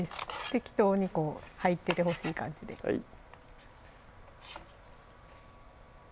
適当にこう入っててほしい感じではい